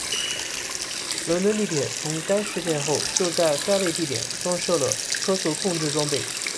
伦敦地铁从该事件后就在该类地点装设了车速控制装备。